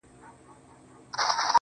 د خوار د ژوند كيسه ماتـه كړه~